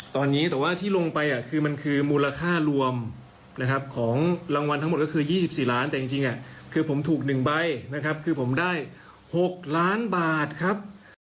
ตอนนี้แต่ว่าที่ลงไปคือมันคือมูลค่ารวมนะครับของรางวัลทั้งหมดก็คือ๒๔ล้านแต่จริงคือผมถูก๑ใบนะครับคือผมได้๖ล้านบาทครับ